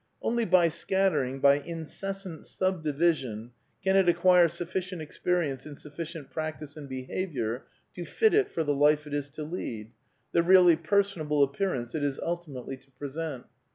Only by scattering, by inces (/ sant subttivision, can it acquire sufficient experience an3 Xn sufficient practice in behaviour to fit it for the life it is to lead, the really personable appearance it is ultimately to present.